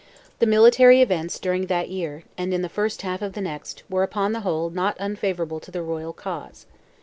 The military events during that year, and in the first half of the next, were upon the whole not unfavourable to the royal cause.